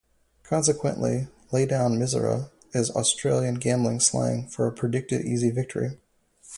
Consequently, 'lay down misere' is Australian gambling slang for a predicted easy victory.